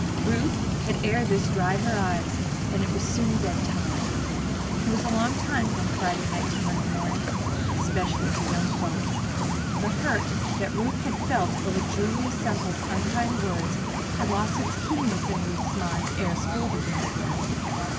Ruth had ere this dried her eyes and it was soon bedtime. It is a long time from Friday night to Monday morning especially to young folk. The hurt that Ruth had felt over Julia Semple's unkind words had lost its keenness in Ruth's mind ere school began again.